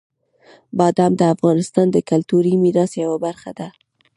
بادام د افغانستان د کلتوري میراث یوه برخه ده.